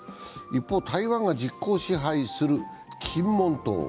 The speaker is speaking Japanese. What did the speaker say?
一方、台湾が実効支配する金門島。